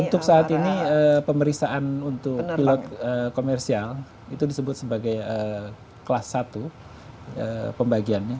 untuk saat ini pemeriksaan untuk pilot komersial itu disebut sebagai kelas satu pembagiannya